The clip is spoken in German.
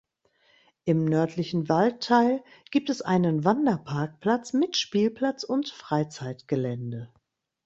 Im nördlichen Waldteil gibt es einen Wanderparkplatz mit Spielplatz und Freizeitgelände.